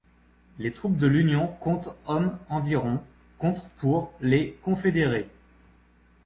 Les troupes de l'Union comptent hommes environ, contre pour les Confédérés.